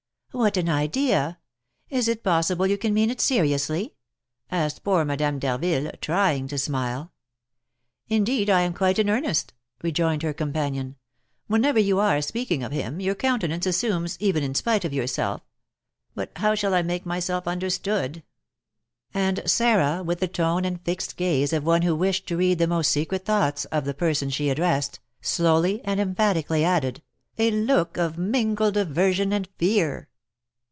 "What an idea! Is it possible you can mean it seriously?" asked poor Madame d'Harville, trying to smile. "Indeed, I am quite in earnest," rejoined her companion; "whenever you are speaking of him, your countenance assumes, even in spite of yourself, but how shall I make myself understood?" and Sarah, with the tone and fixed gaze of one who wished to read the most secret thoughts of the person she addressed, slowly and emphatically added, "a look of mingled aversion and fear!"